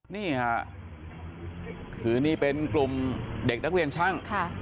นี่ค่ะคือนี่เป็นกลุ่มเด็กนักเรียนช่าง